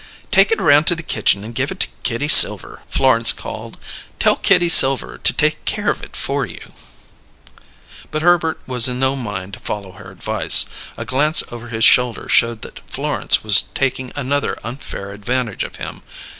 "Take it around to the kitchen and give it to Kitty Silver," Florence called. "Tell Kitty Silver to take care of it for you." But Herbert was in no mind to follow her advice; a glance over his shoulder showed that Florence was taking another unfair advantage of him.